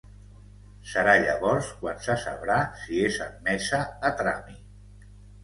Serà llavors quan se sabrà si és admesa a tràmit.